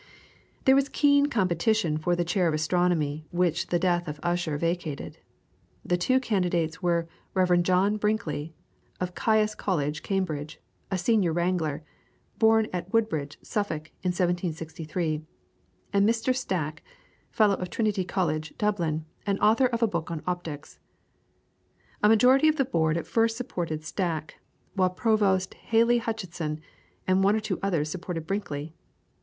There was keen competition for the chair of Astronomy which the death of Ussher vacated. The two candidates were Rev. John Brinkley, of Caius College, Cambridge, a Senior Wrangler (born at Woodbridge, Suffolk, in 1763), and Mr. Stack, Fellow of Trinity College, Dublin, and author of a book on Optics. A majority of the Board at first supported Stack, while Provost Hely Hutchinson and one or two others supported Brinkley.